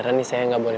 masih aja bapak ya